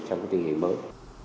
trong cái tình hình mới